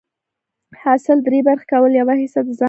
حاصل دری برخي کول، يوه حيصه د ځان لپاره